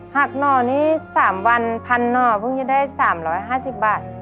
หน่อนี่๓วัน๑๐๐หน่อเพิ่งจะได้๓๕๐บาท